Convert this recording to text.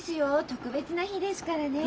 特別な日ですからね。